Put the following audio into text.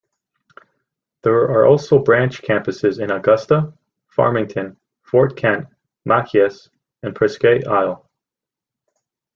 There are also branch campuses in Augusta, Farmington, Fort Kent, Machias, and Presque Isle.